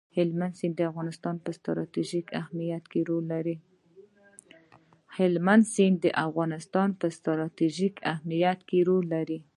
هلمند سیند د افغانستان په ستراتیژیک اهمیت کې رول لري.